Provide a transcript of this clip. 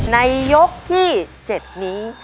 ในยกที่๗นี้